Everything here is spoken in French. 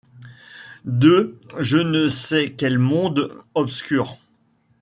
De je ne sais quel monde obscur.